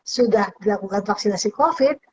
sudah dilakukan vaksinasi covid